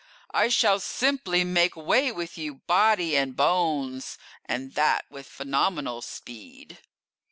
I shall simply make way with you, body and bones, And that with phenomenal speed!"